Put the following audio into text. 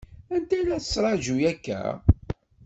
Anta i la tettṛaǧu akka?